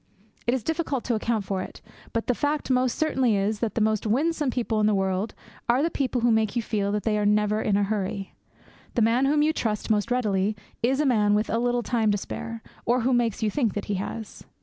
It is difficult to account for it; but the fact most certainly is that the most winsome people in the world are the people who make you feel that they are never in a hurry. The man whom you trust most readily is the man with a little time to spare, or who makes you think that he has.